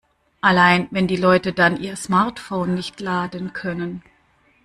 Allein, wenn die Leute dann ihr Smartphone nicht laden können.